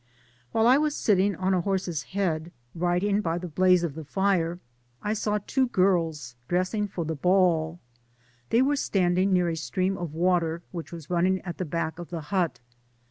While I was sitting on the skeleton of a horse's head, writing by the blaze of the fire, I saw two girls dressing for the ball. They were standing near a stream of water, which was running at the back of the hut.